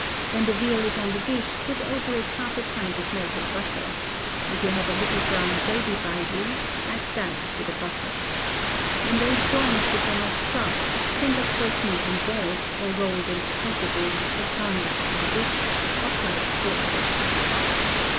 When the veal is on the dish, pour over it half a pint of melted butter; if you have a little brown gravy by you, add that to the butter. With those joints which are not stuffed, send up forcemeat in balls, or rolled into sausages, as garnish to the dish, or fried pork sausages.